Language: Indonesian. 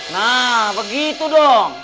nah begitu dong